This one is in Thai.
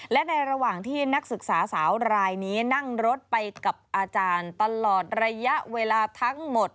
และในระหว่างที่นักศึกษาสาวรายนี้นั่งรถไปกับอาจารย์ตลอดระยะเวลาทั้งหมด